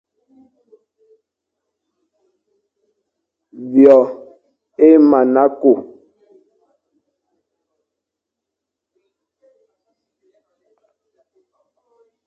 Vyo é mana kü,